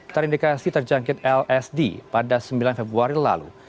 terindikasi terjangkit lsd pada sembilan februari lalu